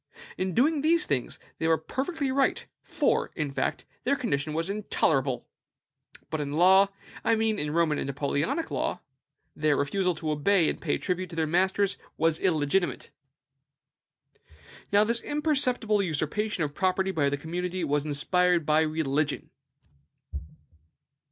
In doing these things they were perfectly right; for, in fact, their condition was intolerable. But in law I mean in Roman and Napoleonic law their refusal to obey and pay tribute to their masters was illegitimate. Now, this imperceptible usurpation of property by the commonalty was inspired by religion.